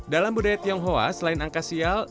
dalam budaya tionghoa selain angka sial